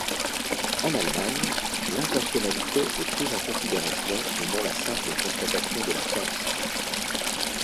En Allemagne, l’intentionnalité est prise en considération et non la simple constatation de l’absence.